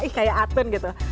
ih kayak atun gitu